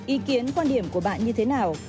ý kiến quan điểm của bạn như thế nào